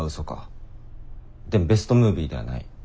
でもベストムービーではない。